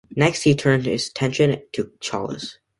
Next he turned his attention to Cholas.